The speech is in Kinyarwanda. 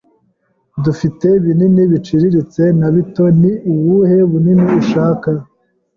Dufite binini, biciriritse, na bito. Ni ubuhe bunini ushaka?